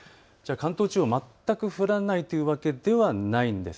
関東地方、全く降らないというわけではないんです。